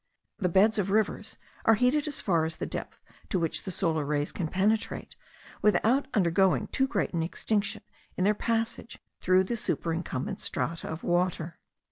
The beds of rivers are heated as far as the depth to which the solar rays can penetrate without undergoing too great an extinction in their passage through the superincumbent strata of water.